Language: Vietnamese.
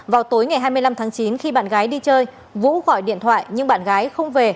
vào tối ngày hai mươi năm tháng chín khi bạn gái đi chơi vũ gọi điện thoại nhưng bạn gái không về